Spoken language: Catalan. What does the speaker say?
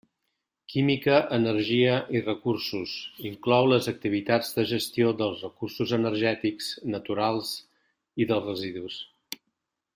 Química, energia, i recursos: inclou les activitats de gestió dels recursos energètics, naturals i dels residus.